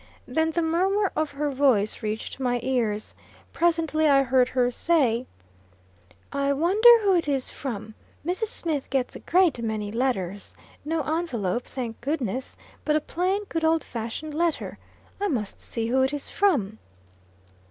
Then the murmur of her voice reached my ears. Presently I heard her say: "I wonder who it is from? Mrs. Smith gets a great many letters. No envelope, thank goodness! but a plain, good old fashioned letter. I must see who it is from."